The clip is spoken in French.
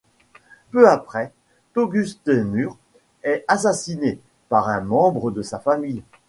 Peu après, Togustemur est assassiné par un membre de sa famille.